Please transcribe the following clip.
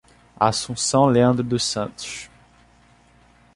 Assunção Leandro dos Santos